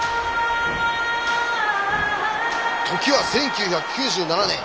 時は１９９７年。